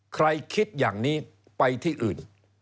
คิดอย่างนี้ไปที่อื่น